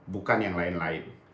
bukan yang lain lain